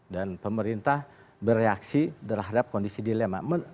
dan pemerintah bereaksi terhadap kondisi dilema